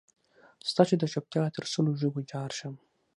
ستا دچوپتیا تر سلو ژبو جارشم